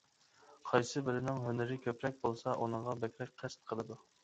قايسىبىرىنىڭ ھۈنىرى كۆپرەك بولسا، ئۇنىڭغا بەكرەك قەست قىلىدۇ.